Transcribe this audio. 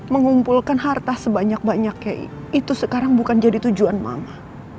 mengumpulkan harta sebanyak banyaknya itu sekarang bukan jadi tujuan mama